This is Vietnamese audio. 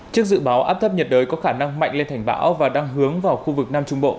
trước dự báo áp thấp nhiệt đới có khả năng mạnh lên thành bão và đang hướng vào khu vực nam trung bộ